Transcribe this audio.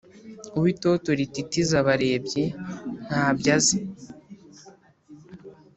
uwitoto rititiza abarebyi ntabyo azi